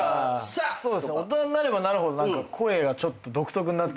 大人になればなるほど声がちょっと独特になって。